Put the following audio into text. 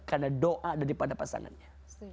karena doa daripada pasangannya